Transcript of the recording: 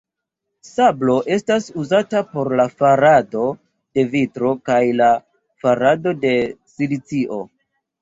Sablo estas uzata por la farado de vitro kaj por farado de silicio.